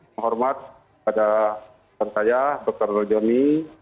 menghormat pada saya dr joni